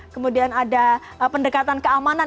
kemudian ada pendekatan keamanan